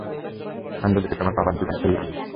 আঞ্জলীকে তোমার পাপার জীবনে ফিরিয়ে আনো।